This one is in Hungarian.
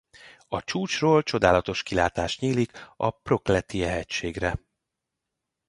A csúcsról csodálatos kilátás nyílik a Prokletije-hegységre.